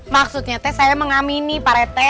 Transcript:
maksudnya teh saya mengamini pak rete